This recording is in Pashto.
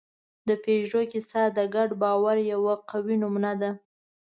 د پيژو کیسه د ګډ باور یوه قوي نمونه ده.